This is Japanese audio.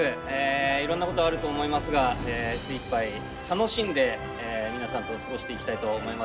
いろんなことあると思いますが精いっぱい楽しんで皆さんと過ごしていきたいと思います。